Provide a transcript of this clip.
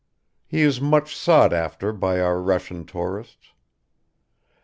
He is much sought after by our Russian tourists.